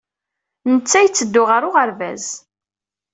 Netta yetteddu ɣer uɣerbaz.